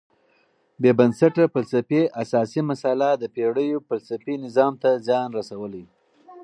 بېبنسټه فلسفي اساسي مسئله د پېړیو فلسفي نظام ته زیان رسولی.